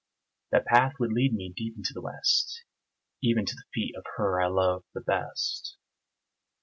That path would lead me deep into the west, Even to the feet of her I love the best.